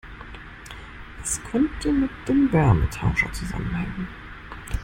Es könnte mit dem Wärmetauscher zusammenhängen.